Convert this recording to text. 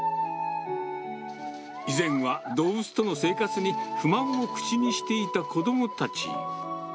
以前は動物との生活に不満を口にしていた子どもたち。